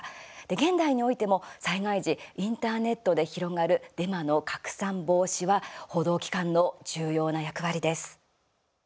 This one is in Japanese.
現代においても災害時インターネットで広がるデマの拡散防止は報道機関の重要な役割です。